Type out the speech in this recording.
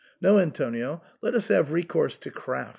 No, An tonio, let us have recourse to craft.